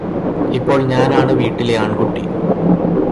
ഇപ്പോൾ ഞാനാണ് വീട്ടിലെ ആണ്കുട്ടി